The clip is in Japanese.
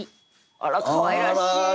あらかわいらしい。